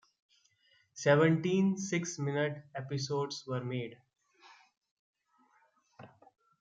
Seventeen six-minute episodes were made.